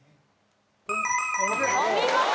お見事。